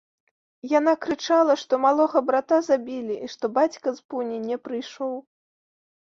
Яна крычала, што малога брата забілі і што бацька з пуні не прыйшоў.